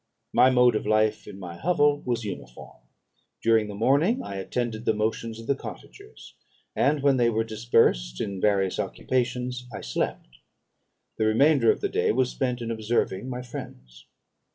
"My mode of life in my hovel was uniform. During the morning, I attended the motions of the cottagers; and when they were dispersed in various occupations, I slept: the remainder of the day was spent in observing my friends.